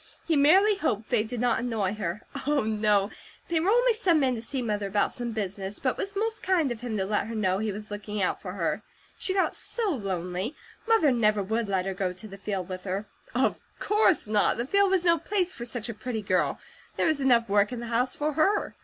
He merely hoped they did not annoy her. Oh, no, they were only some men to see Mother about some business, but it was most kind of him to let her know he was looking out for her. She got so lonely; Mother never would let her go to the field with her. Of course not! The field was no place for such a pretty girl; there was enough work in the house for her.